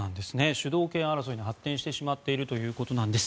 主導権争いに発展してしまっているということです。